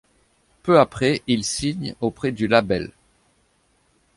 Peu après, ils signent auprès du label.